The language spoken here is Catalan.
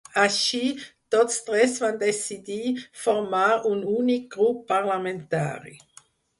Així tots tres van decidir formar un únic grup parlamentari.